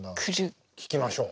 聴きましょう。